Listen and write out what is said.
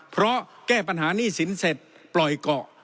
เพราะแก้ปัญหาหนี้สินเสร็จปล่อยเกาะ